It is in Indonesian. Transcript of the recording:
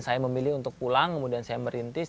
saya memilih untuk pulang kemudian saya merintis